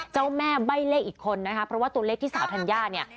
เจ้าแม่ใบ้เลขอีกคนนะคะเพราะว่าตัวเลขที่สาวธัญญาเนี่ย